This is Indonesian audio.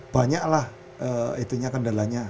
banyak lah itunya kendalanya